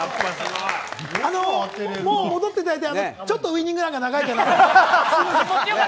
もう戻っていただいて、ちょっとウイニングランが長いかなと。